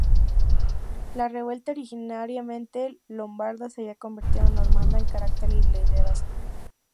La revuelta, originariamente lombarda, se había convertido en normanda en carácter y liderazgo.